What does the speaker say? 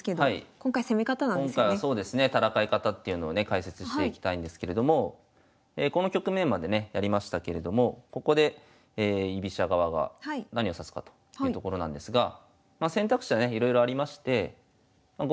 今回はそうですね戦い方っていうのをね解説していきたいんですけれどもこの局面までねやりましたけれどもここで居飛車側が何を指すかというところなんですがまあ選択肢はねいろいろありまして５